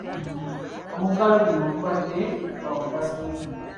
Omuggalo guno gubadde gwa mugaso nnyo.